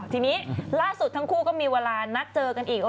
ทีนี้ล่าสุดทั้งคู่ก็มีเวลานัดเจอกันอีก